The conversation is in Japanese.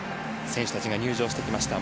選手たちが入場してきました。